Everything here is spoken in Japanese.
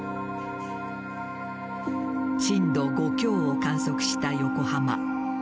震度５強を観測した横浜。